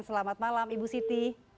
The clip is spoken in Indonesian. selamat malam ibu siti